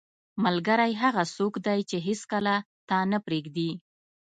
• ملګری هغه څوک دی چې هیڅکله تا نه پرېږدي.